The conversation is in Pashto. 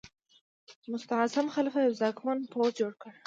مستعصم خلیفه یو ځواکمن پوځ جوړ کړ.